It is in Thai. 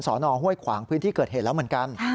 นห้วยขวางพื้นที่เกิดเหตุแล้วเหมือนกัน